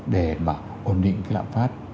để mà ổn định cái lạm phát